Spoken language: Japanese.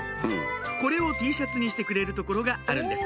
これをＴシャツにしてくれる所があるんです